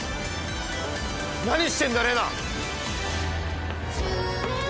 何してんだレナ！